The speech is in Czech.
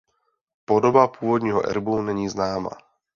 Podoba původního erbu není známá.